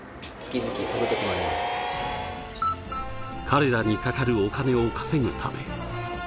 彼らにかかるお金を稼ぐため。